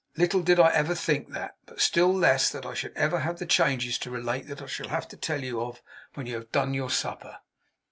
'Little did I ever think that! But still less, that I should ever have the changes to relate that I shall have to tell you of, when you have done your supper!